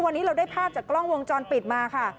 วันนี้เราได้ภาพจากกล้องวงจรปิดมาค่ะ